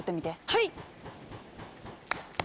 はい！